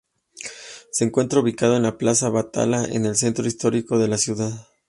Se encuentra ubicado en la plaza Batalha, en el centro histórico de la ciudad.